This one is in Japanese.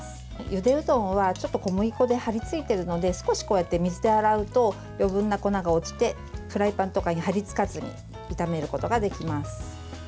ゆでうどんは、ちょっと小麦粉で張り付いているので少し水で洗うと余分な粉が落ちてフライパンとかに張り付かずに炒めることができます。